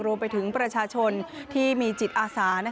รวมไปถึงประชาชนที่มีจิตอาสา